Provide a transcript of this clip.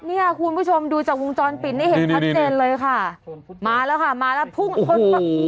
เนี่ยคุณผู้ชมดูจากวงจรปิดนี่เห็นชัดเจนเลยค่ะมาแล้วค่ะมาแล้วพุ่งชน